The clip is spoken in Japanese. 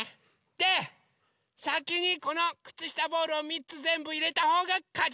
でさきにこのくつしたボールを３つぜんぶいれたほうがかち！